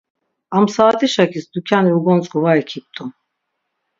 Am saat̆işakis dukyani ugontzk̆u var ikipt̆u.